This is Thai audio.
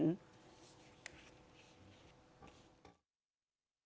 เป็นการแตดตามของคุณรับรับคุณไปครับ